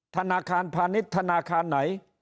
ธนาคารพาณิชย์ธนาคารไหน